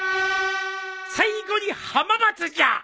最後に浜松じゃ！